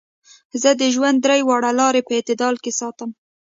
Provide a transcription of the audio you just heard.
زۀ د ژوند درې واړه لارې پۀ اعتدال کښې ساتم -